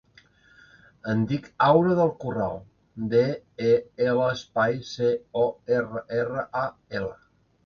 Em dic Aura Del Corral: de, e, ela, espai, ce, o, erra, erra, a, ela.